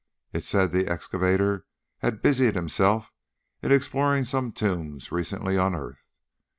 It said that the excavator had busied himself in exploring some tombs recently unearthed.